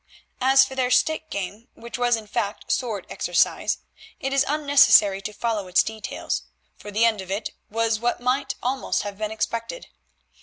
As for their stick game, which was in fact sword exercise, it is unnecessary to follow its details, for the end of it was what might almost have been expected.